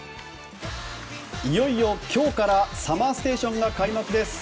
いよいよ今日から「ＳＵＭＭＥＲＳＴＡＴＩＯＮ」が開幕です。